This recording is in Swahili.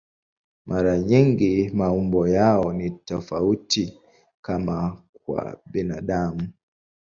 Mara nyingi maumbo yao ni tofauti, kama kwa binadamu.